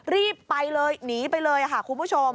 รีบไปเลยหนีไปเลยค่ะคุณผู้ชม